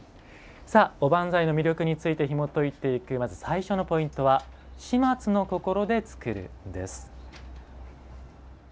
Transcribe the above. おばんざいの魅力についてひもといていくまず最初のポイントは「始末の心でつくる」です。